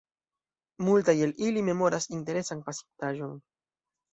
Multaj el ili memoras interesan pasin-taĵon.